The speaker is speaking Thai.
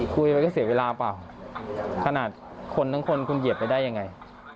มันก็เสียเวลาเปล่าขนาดคนทั้งคนคุณเหยียบไปได้ยังไง